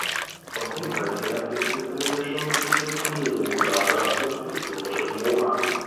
Vom Inhalt her ist es eine Mischung zwischen Familiensaga und historischem Roman.